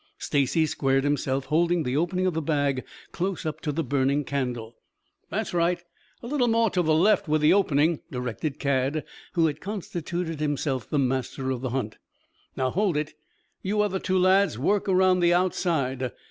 Stacy squared himself, holding the opening of the bag close up to the burning candle. "That's right. A little more to the left with the opening," directed Cad, who had constituted himself the master of the hunt. "Now hold it. You other two lads work around the outside.